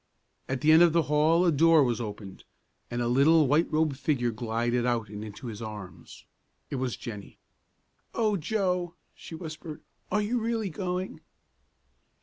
At the end of the hall a door was opened, and a little white robed figure glided out and into his arms. It was Jennie. "O Joe!" she whispered, "are you really going?"